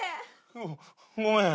ごごめん。